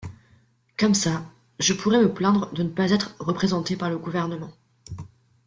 Comme ça, je pourrai me plaindre de ne pas être représenté par le gouvernement.